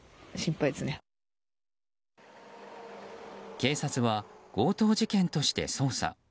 警察は強盗事件として捜査。